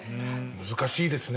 難しいですね。